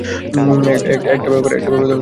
একটা ব্যাপার তুমি ভুলে গেছো, লুলু।